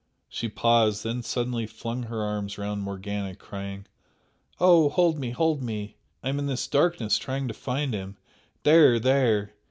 She paused then suddenly flung her arms round Morgana crying "Oh, hold me! hold me! I am in this darkness trying to find him! there! there!